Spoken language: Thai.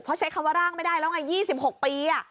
เพราะใช้คำว่าร่างไม่ได้แล้วไง๒๖ปี